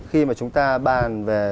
khi mà chúng ta bàn về